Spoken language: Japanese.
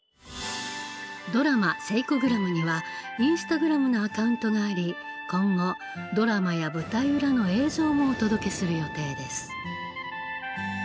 ドラマ「セイコグラム」にはインスタグラムのアカウントがあり今後ドラマや舞台裏の映像もお届けする予定です。